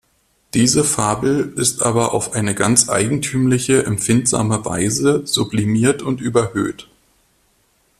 Diese Fabel ist aber auf eine ganz eigentümliche, empfindsame Weise sublimiert und überhöht.